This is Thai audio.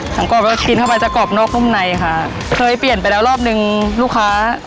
กรอบก็กินเข้าไปจะกรอบนอกนุ่มในค่ะเคยเปลี่ยนไปแล้วรอบนึงลูกค้า